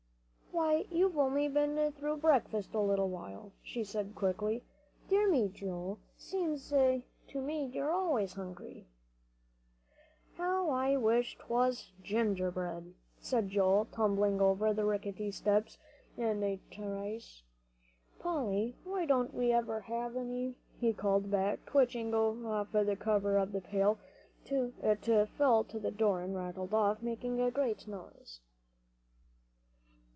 "Why, you've only been through breakfast a little while," she said quickly. "Dear me, Joe, seems to me you're always hungry." "How I wish 'twas gingerbread!" cried Joel, tumbling over the rickety steps in a trice. "Polly, why don't we ever have any?" he called back, twitching off the cover of the pail. It fell to the floor and rattled off, making a great noise.